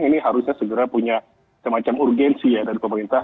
ini harusnya segera punya semacam urgensi ya dari pemerintah